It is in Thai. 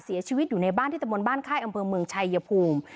เสียชีวิตอยู่ในบ้านที่ตะมนต์บ้านค่ายอำเภอเมืองชัยภูมิ